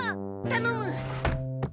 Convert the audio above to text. たのむ！